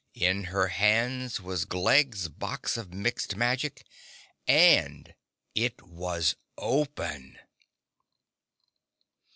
In her hands was Glegg's Box of Mixed Magic and it was open!